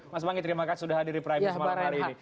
mas bangi terima kasih sudah hadir di private malam hari ini